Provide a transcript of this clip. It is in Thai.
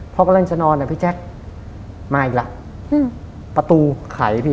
พอกำลังจะนอนอ่ะพี่แจ๊คมาอีกแล้วอืมประตูไขพี่